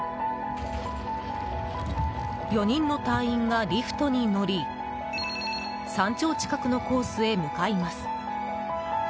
４人の隊員がリフトに乗り山頂近くのコースへ向かいます。